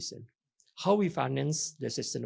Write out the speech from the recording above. bagaimana kita meminjau kewangan kesehatan